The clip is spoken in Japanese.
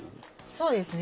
そうですね